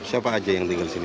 siapa aja yang tinggal di sini